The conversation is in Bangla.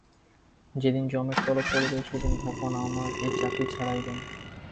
যেদিন যমের তলব পড়িবে, সেদিন ভগবান আমার এ চাকরি ছাড়াইবেন।